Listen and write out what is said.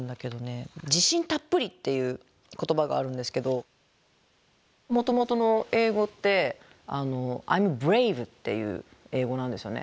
「じしんたっぷり！」っていう言葉があるんですけどもともとの英語って「Ｉ’ｍｂｒａｖｅ」っていう英語なんですよね。